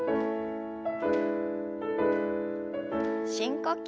深呼吸。